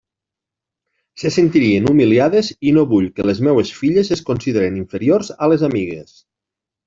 Se sentirien humiliades, i no vull que les meues filles es consideren inferiors a les amigues.